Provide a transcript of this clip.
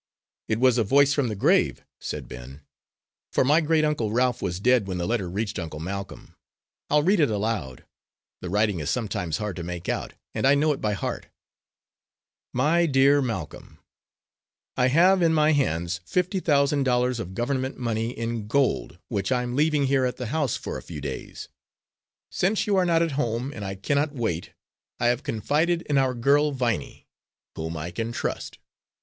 "It was a voice from the grave," said Ben, "for my great uncle Ralph was dead when the letter reached Uncle Malcolm. I'll read it aloud the writing is sometimes hard to make out, and I know it by heart: _My Dear Malcolm: I have in my hands fifty thousand dollars of government money, in gold, which I am leaving here at the house for a few days. Since you are not at home, and I cannot wait, I have confided in our girl Viney, whom I can trust.